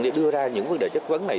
để đưa ra những vấn đề chất vấn này